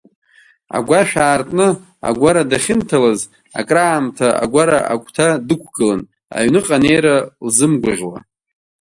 Агәашә аартны, агәара дахьынҭалаз, акраамҭа агәара агәҭа дықәгылан, аҩныҟа анеира лзымгәаӷьуа.